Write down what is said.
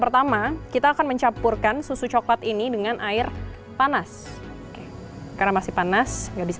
pertama kita akan mencampurkan susu coklat ini dengan air panas karena masih panas yang bisa